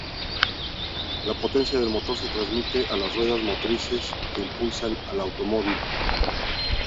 La potencia del motor se transmite a las ruedas motrices, que impulsan al automóvil.